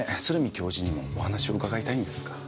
教授にもお話を伺いたいんですが。